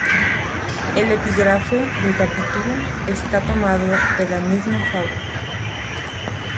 El epígrafe del capítulo está tomado de la misma fábula.